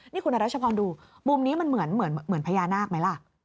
นี่คุณรัชพรดูมุมนี้มันเหมือนพญานาคไหมล่ะ